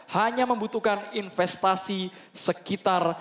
hanya membutuhkan investasi sekitar